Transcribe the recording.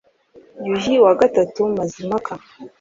yuhi wa gatatu mazimhaka